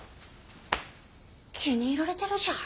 気に入られてるじゃん。